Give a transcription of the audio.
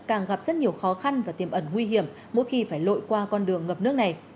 càng gặp rất nhiều khó khăn và tiềm ẩn nguy hiểm mỗi khi phải lội qua con đường ngập nước này